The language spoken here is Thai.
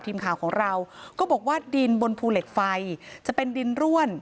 ทีมข่าวของเราก็บอกว่าดินบนภูเหล็กไฟจะเป็นดินร่วน